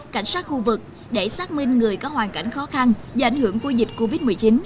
cảnh sát khu vực để xác minh người có hoàn cảnh khó khăn do ảnh hưởng của dịch covid một mươi chín